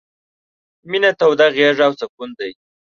— مينه توده غېږه او سکون دی...